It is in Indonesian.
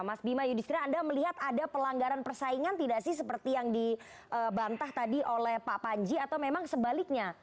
mas bima yudhistira anda melihat ada pelanggaran persaingan tidak sih seperti yang dibantah tadi oleh pak panji atau memang sebaliknya